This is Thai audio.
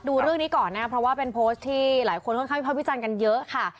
ดูเรื่องนี้ก่อนนะครับเพราะว่าเป็นโพสต์ที่หลายคนค่อนข้างวิภาพวิจารณ์กันเยอะค่ะ